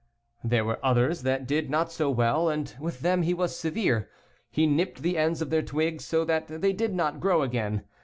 There were others that did not do so well and with them he was severe. He nipped the ends of their twigs so that they did not grow again.